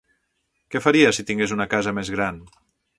Què faria, si tingués una casa més gran?